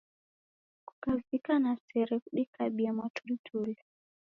Kukavika na sere kudikabie mwatulituli.